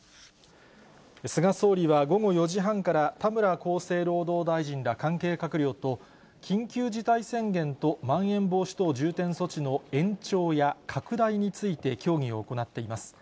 菅総理は午後４時半から、田村厚生労働大臣ら関係閣僚と緊急事態宣言とまん延防止等重点措置の延長や拡大について協議を行っています。